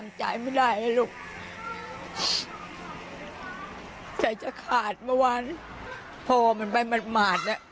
มันทำจ่ายไม่ได้ลูกจ่ายจากขาดเมื่อวานพ่อมันไปมัดน่ะ